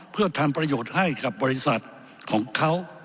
เพื่อทำประโยชน์ให้กับบริษัทของเขา